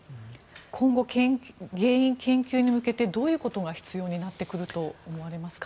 今後原因究明に向けてどんなことが必要になってくると思われますか。